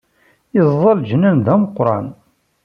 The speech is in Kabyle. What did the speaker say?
Yeẓẓa leǧnan d ameqqran